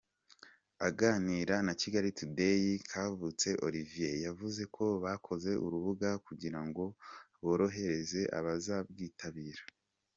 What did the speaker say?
Aganira na Kigali Tudeyi, Kavutse Oliviye yavuze ko bakoze urubuga kugira ngo borohereze abazabwitabira.